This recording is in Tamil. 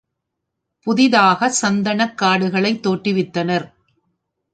புதிதாகச் சந்தனக் காடுகளைத் தோற்றுவித்தனர்.